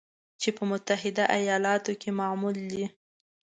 چې په متحده ایالاتو کې معمول دی